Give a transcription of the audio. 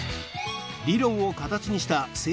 理論を形にしたえ